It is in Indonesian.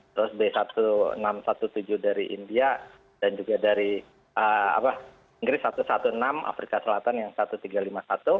terus b seribu enam ratus tujuh belas dari india dan juga dari inggris satu ratus enam belas afrika selatan yang satu tiga ratus lima puluh satu